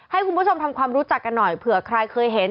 ให้คุณผู้ชมทำความรู้จักกันหน่อยเผื่อใครเคยเห็น